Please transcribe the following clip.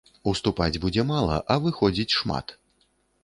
Уступаць будзе мала, а выходзіць шмат.